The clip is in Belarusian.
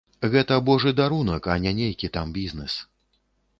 Гэта божы дарунак, а не нейкі там бізнэс.